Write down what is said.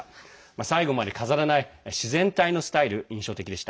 最後まで飾らない自然体のスタイル、印象的でした。